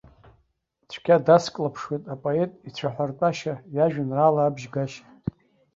Цәгьа дацклаԥшуеит апоет ицәаҳәартәашьа, иажәеинраала абжьгашьа.